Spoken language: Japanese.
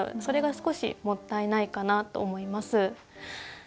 それが少しもったいないかなと思います。